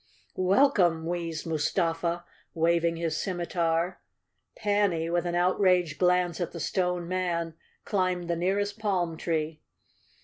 "Welcome!" wheezed Mustafa, waving his scimitar. 270 _ Chapter Twenty Panny, with an outraged glance at the Stone Man, climbed the nearest palm tree.